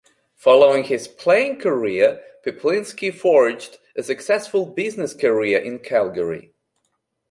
Following his playing career, Peplinski forged a successful business career in Calgary.